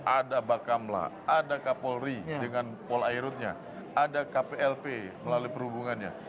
ada bakamla ada kapolri dengan polairutnya ada kplp melalui perhubungannya